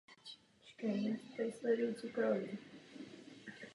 Podléhá také přezkumu.